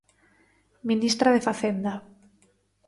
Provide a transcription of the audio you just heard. Ministra de Facenda.